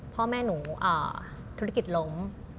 พ่อแม่หนูธุรกิจล้ม